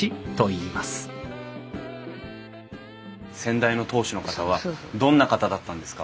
先代の当主の方はどんな方だったんですか？